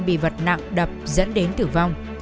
bị vật nặng đập dẫn đến tử vong